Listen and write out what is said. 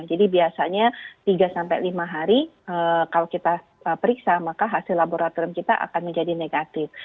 jadi biasanya tiga lima hari kalau kita periksa maka hasil laboratorium kita akan menjadi negatif